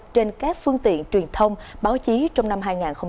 trên các phương tiện truyền thông báo chí trong năm hai nghìn hai mươi